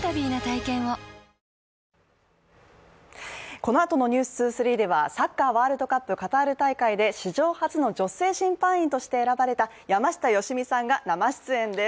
このあとの「ｎｅｗｓ２３」ではサッカーワールドカップカタール大会で史上初の女性審判員として選ばれた山下良美さんが生出演です。